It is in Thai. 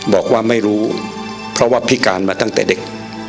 บอกว่าไม่รู้เพราะว่าพิการมาตั้งแต่เด็ก